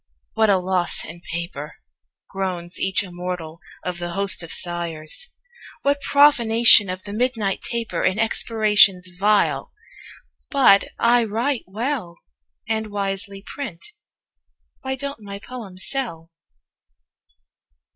"What a loss in paper," Groans each immortal of the host of sighers! "What profanation of the midnight taper In expirations vile! But I write well, And wisely print. Why don't my poems sell?"